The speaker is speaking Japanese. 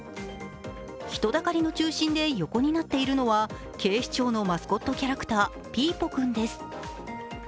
人だかりの中心で横になっているのは警視庁のマスコットキャラクターピーポくんです。